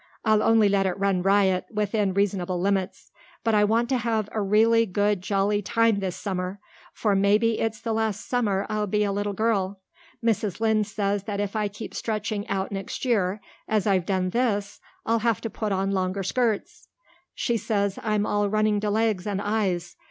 I'll only let it run riot within reasonable limits. But I want to have a real good jolly time this summer, for maybe it's the last summer I'll be a little girl. Mrs. Lynde says that if I keep stretching out next year as I've done this I'll have to put on longer skirts. She says I'm all running to legs and eyes.